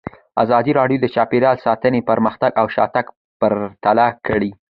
ازادي راډیو د چاپیریال ساتنه پرمختګ او شاتګ پرتله کړی.